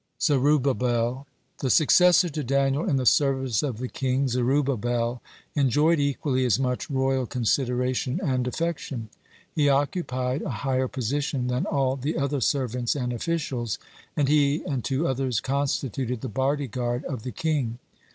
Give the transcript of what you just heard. (22) ZERUBBABEL The successor to Daniel in the service of the king, Zerubbabel, enjoyed equally as much royal consideration and affection. He occupied a higher position than all the other servants and officials, and he and two others constituted the body guard of the king.